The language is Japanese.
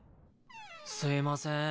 すいません